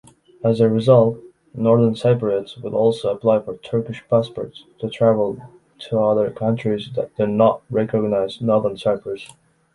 As a result, Northern Cypriots will also apply for Turkish passports to travel to other countries that do not recognize Northern Cyprus.